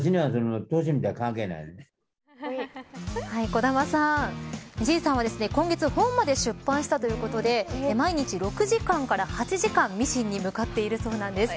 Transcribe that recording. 小玉さん、Ｇ３は今月本まで出版したということで毎日６時間から８時間ミシンに向かっているそうなんです。